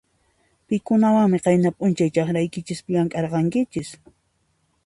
Pikunawanmi qayna p'unchay chakraykichispi llamk'arqanchis?